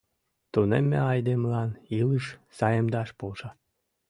Тунемме айдемылан илыш саемдаш полша.